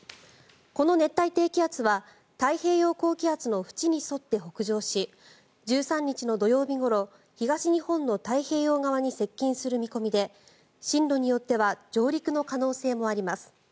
この熱帯低気圧は太平洋高気圧の縁に沿って北上し１３日の土曜日ごろ東日本の太平洋側に接近する見込みで進路によっては上陸の可能性もあります。